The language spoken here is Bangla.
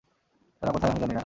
তারা কোথায় আমি জানি না।